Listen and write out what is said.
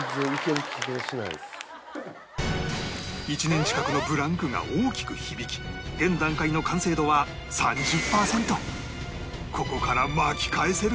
１年近くのブランクが大きく響き現段階の完成度は３０パーセント